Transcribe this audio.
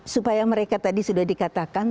supaya mereka tadi sudah dikatakan